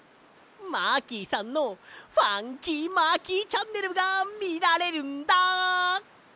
マーキーさんの「ファンキーマーキーチャンネル」がみられるんだ！